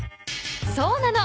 そうなの。